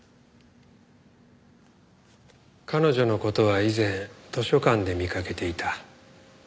彼女の事は以前図書館で見かけていた。